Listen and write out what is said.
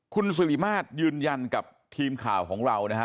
คุณสิริมาตรยืนยันกับทีมข่าวของเรานะฮะ